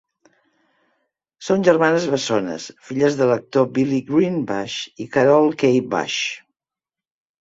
Són germanes bessones, filles de l'actor Billy "Green" Bush i Carole Kay Bush.